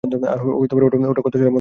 আর ওটা কত সালে বন্ধ হয়েছিল?